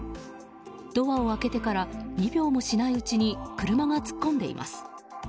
ドアを開けてから２秒もしないうちに車が突っ込んでいます。